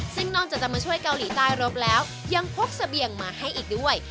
ซึ่งนอกจากจะมาช่วยเกาหลีใต้รบแล้วยังพกเสบียงมาให้อีกด้วย